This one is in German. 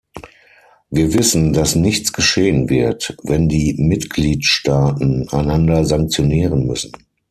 Wir wissen, dass nichts geschehen wird, wenn die Mitgliedstaaten einander sanktionieren müssen.